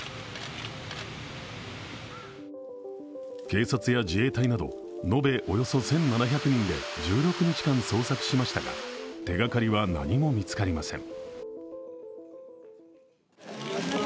警察や自衛隊など延べおよそ１７００人で１６日間捜索しましたが手がかりは何も見つかりません。